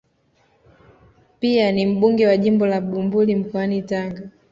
Pia ni mbunge wa jimbo la Bumbuli mkoani Tanga